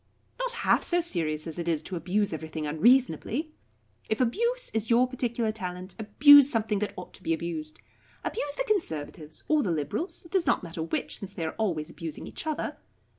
"Not half so serious as it is to abuse everything unreasonably. If abuse is your particular talent, abuse something that ought to be abused. Abuse the Conservatives or the Liberals it does not matter which, since they are always abusing each other.